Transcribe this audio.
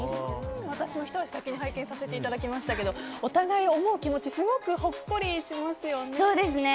私もひと足先に拝見させていただきましたけどお互いを思う気持ちすごくほっこりしますよね。